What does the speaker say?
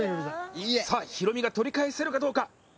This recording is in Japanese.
さあヒロミが取り返せるかどうか。